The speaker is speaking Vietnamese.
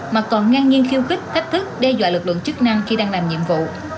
mà còn ngang nhiên khiêu khích thách thức đe dọa lực lượng chức năng khi đang làm nhiệm vụ